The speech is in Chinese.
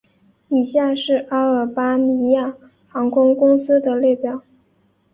以下是阿尔巴尼亚航空公司的列表